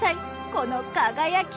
この輝き。